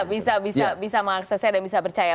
bisa bisa mengaksesnya dan bisa percaya